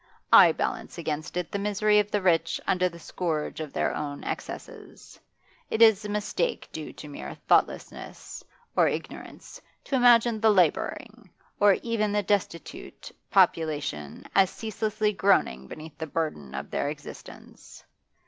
I balance against it the misery of the rich under the scourge of their own excesses. It is a mistake due to mere thoughtlessness, or ignorance, to imagine the labouring, or even the destitute, population as ceaselessly groaning beneath the burden of their existence.